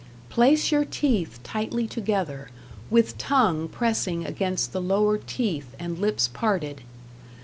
Place your teeth tightly together, with tongue pressing against the lower teeth and lips parted.